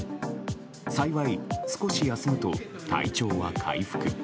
幸い、少し休むと体調は回復。